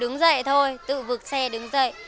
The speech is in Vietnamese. đứng dậy thôi tự vực xe đứng dậy